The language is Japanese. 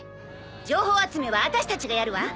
情報集めは私たちがやるわ。